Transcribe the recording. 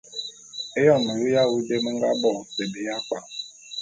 Éyon melu ya awu dé me nga bo bébé ya kpwan.